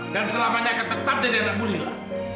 dan selamanya akan tetap jadi anak ibu lila